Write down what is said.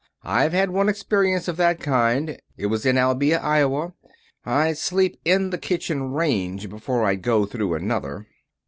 I've had one experience of that kind. It was in Albia, Iowa. I'd sleep in the kitchen range before I'd go through another."